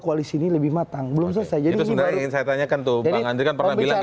koalisi ini lebih matang belum selesai jadi sudah ingin saya tanyakan tuh bahkan dengan perambilan